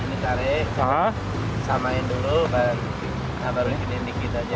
ini cari samain dulu baru dikitin dikit aja